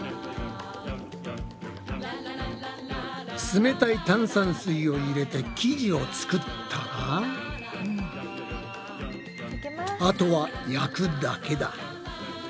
つめたい炭酸水を入れて生地を作ったらあとは焼くだけだ。